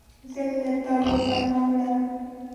زه له تا یو پیغام لرم.